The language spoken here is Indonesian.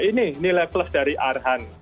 ini nilai plus dari arhan